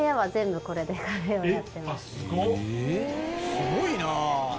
「すごいなあ」